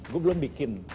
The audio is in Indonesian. gue belum bikin